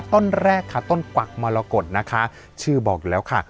ต้นแรกค่ะต้นกวักมรกฏนะคะชื่อบอกอยู่แล้วค่ะ